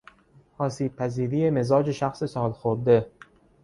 آسیبپذیری مزاج شخص سالخورده